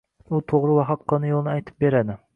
U to‘g‘ri va haqqoniy yo‘lni aytib beradi.